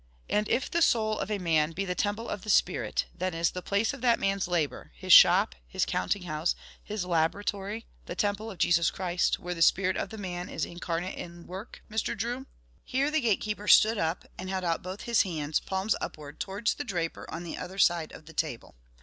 And if the soul of a man be the temple of the Spirit, then is the place of that man's labour, his shop, his counting house, his laboratory, the temple of Jesus Christ, where the spirit of the man is incarnate in work. Mr. Drew!" Here the gate keeper stood up, and held out both his hands, palms upward, towards the draper on the other side of the table.